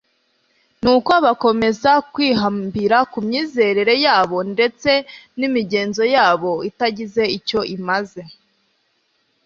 Nuko bakomeza kwihambira ku myizerere yabo, ndetse n'imigenzo yabo itagize icyo imaze;